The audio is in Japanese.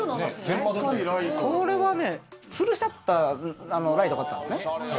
これはね、つるしたライトがあったんですね。